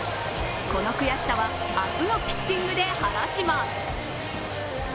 この悔しさは明日のピッチングで晴らします。